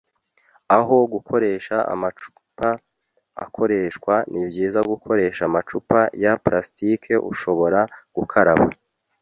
Aho gukoresha amacupa akoreshwa, nibyiza gukoresha amacupa ya plastike ushobora gukaraba.